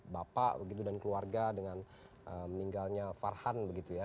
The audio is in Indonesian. bapak begitu dan keluarga dengan meninggalnya farhan begitu ya